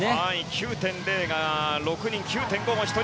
９．０が６人９．５も１人。